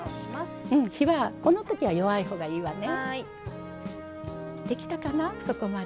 火は、このときは弱いほうがいいわね。